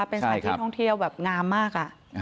เป็นสถานที่ท่องเที่ยวแบบงามมาก